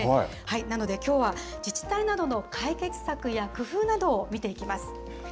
なので、きょうは自治体などの解決策や工夫などを見ていきます。